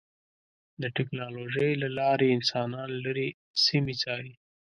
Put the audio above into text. د ټکنالوجۍ له لارې انسانان لرې سیمې څاري.